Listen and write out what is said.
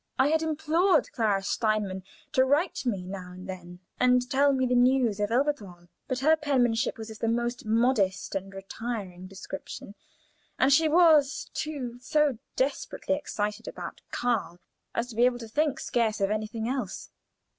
I had implored Clara Steinmann to write me now and then, and tell me the news of Elberthal, but her penmanship was of the most modest and retiring description, and she was, too, so desperately excited about Karl as to be able to think scarce of anything else.